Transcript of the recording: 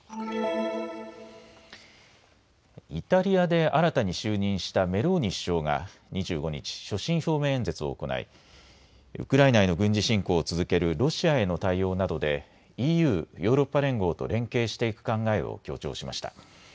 イタリアで新たに就任したメローニ首相が２５日、所信表明演説を行いウクライナへの軍事侵攻を続けるロシアへの対応などでＥＵ・ヨーロッパ連合と連携していく考えを強調しました。